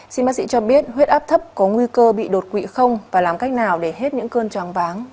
xin bác sĩ cho biết huyết áp thấp có nguy cơ bị đột quỵ không và làm cách nào để hết những cơn choáng váng